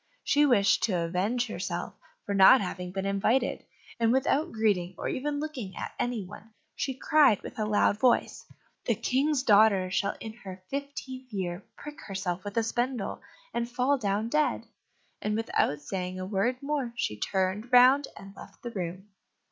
She wished to avenge herself for not having been invited, and without greeting, or even looking at any one, she cried with a loud voice, "The King's daughter shall in her fifteenth year prick herself with a spindle, and fall down dead." And, without saying a word more, she turned round and left the room.